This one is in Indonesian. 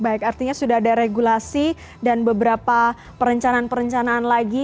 baik artinya sudah ada regulasi dan beberapa perencanaan perencanaan lagi